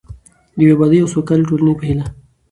د یوې ابادې او سوکاله ټولنې په هیله.